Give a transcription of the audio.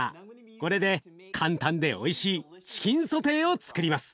これで簡単でおいしいチキンソテーをつくります。